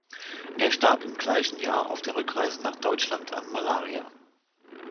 Er starb im gleichen Jahre auf der Rückreise nach Deutschland an Malaria.